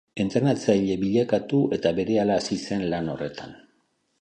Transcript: Entrenatzaile bilakatu eta berehala hasi zen lan horretan.